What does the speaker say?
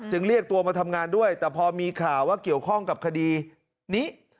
เรียกตัวมาทำงานด้วยแต่พอมีข่าวว่าเกี่ยวข้องกับคดีนี้